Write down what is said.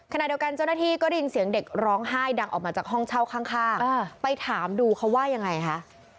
ขณะเดียวกันเจ้าหน้าที่ก็ได้ยินเสียงเด็กร้องไห้ดังออกมาจากห้องเช่าข้างไปถามดูเขาว่ายังไงคะ